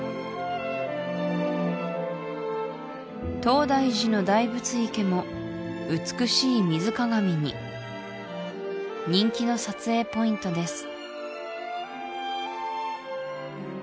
東大寺の大仏池も美しい水鏡に人気の撮影ポイントです